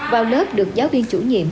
vào lớp được giáo viên chủ nhiệm